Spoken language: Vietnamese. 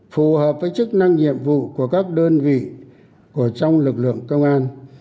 phù hợp với chức năng nhiệm vụ của các đơn vị của trong lực lượng công an